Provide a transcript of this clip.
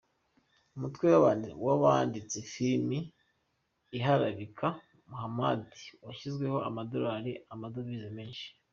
Umutwe w’uwanditse filimi iharabika Muhamadi washyiriweho Amadolari Amadovise Menshi